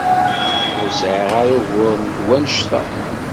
Ur sɛiɣ ara ugur d wannect-a.